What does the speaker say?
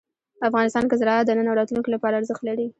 افغانستان کې زراعت د نن او راتلونکي لپاره ارزښت لري.